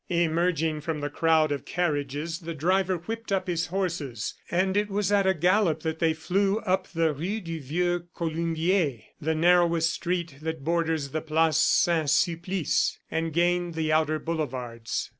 Emerging from the crowd of carriages, the driver whipped up his horses, and it was at a gallop that they flew up the Rue du Vieux Columbier the narrowest street that borders the Place Saint Sulpice and gained the outer boulevards.